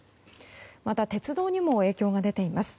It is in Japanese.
また鉄道にも影響が出ています。